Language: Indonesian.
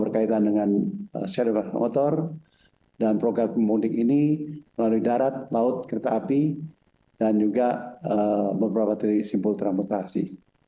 berkaitan dengan share motor dan program pemudik ini melalui darat laut kereta api dan juga beberapa titik simpul transportasi